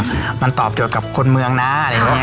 เพราะว่าเราเนี่ยมันตอบโจทย์กับคนเมืองนะอะไรอย่างเนี่ย